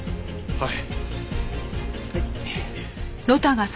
はい。